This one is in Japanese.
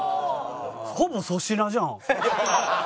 ほぼ粗品じゃん。